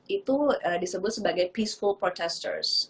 itu disebut sebagai peaceful protester